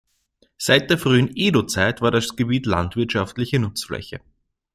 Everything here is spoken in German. Seit der frühen Edo-Zeit war das Gebiet landwirtschaftliche Nutzfläche.